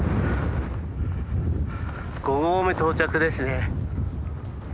５合目到着ですね。